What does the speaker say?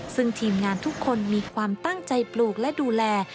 ซึ่งทีมงานทุกคนมีความตั้งใจปลูกและดูแล